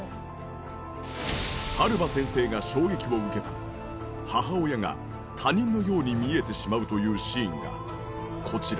春場先生が衝撃を受けた母親が他人のように見えてしまうというシーンがこちら。